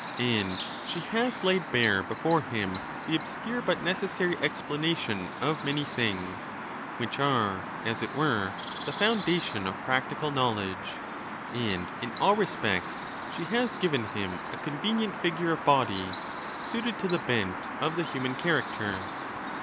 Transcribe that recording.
And'she has laid bare before'him the obscure but necessary » explanation of many things, which are, as it were, the foun , dation of practical knowledge; and in all respects she has given him a convenient figure of body, suited to the bent of. the human character.